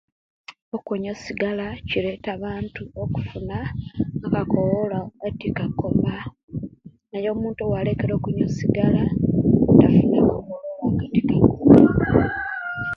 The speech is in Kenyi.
Okunywa osigala kireta abantu okufuna akakowolo etikakoma naye omuntu owalekera okunywa osigala, tasuna akakowolo.